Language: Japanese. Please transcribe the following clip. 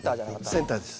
センターです。